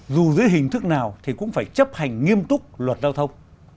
dù dưới hình thức nào thì cũng phải chấp hành nghiêm túc luật giao thông